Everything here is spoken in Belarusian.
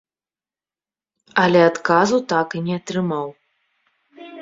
Але адказу так і не атрымаў.